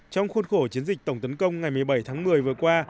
trong khuôn khổ chiến dịch tổng tấn công ngày một mươi bảy tháng một mươi vừa qua